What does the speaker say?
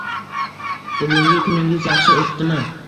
Bugungi kuningiz yaxshi o'tdimi